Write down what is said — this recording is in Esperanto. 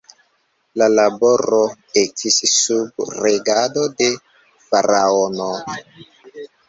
La laboro ekis sub regado de Faraonoj.